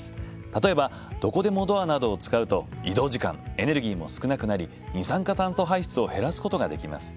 例えばどこでもドアなどを使うと移動時間、エネルギーも少なくなり二酸化炭素排出を減らすことができます。